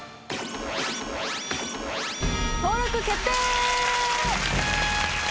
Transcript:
登録決定！